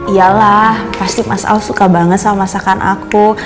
iyalah pasti mas au suka banget sama masakan aku